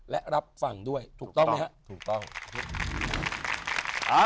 และรับฟังด้วยถูกต้องไหมครับถูกต้อง